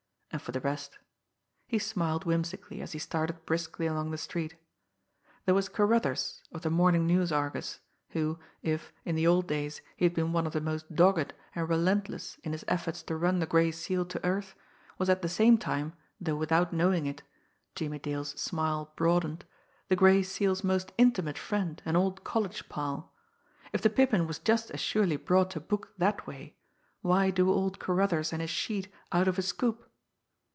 And for the rest he smiled whimsically as he started briskly along the street there was Carruthers, of the Morning News Argus, who, if, in the old days, he had been one of the most dogged and relentless in his efforts to run the Gray Seal to earth, was at the same time, though without knowing it Jimmie Dale's smile broadened the Gray Seal's most intimate friend and old college pal! If the Pippin was just as surely brought to book that way, why do old Carruthers and his sheet out of a "scoop"!